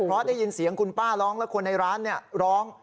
เพราะได้ยินเสียงคุณป้าร้องแล้วคนในร้านร้อง